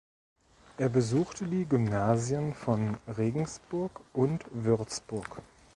Er besuchte die Gymnasien von Regensburg und Würzburg.